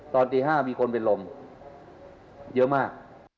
ตอนสวย๕ปีต้องไปลมเยอะมาก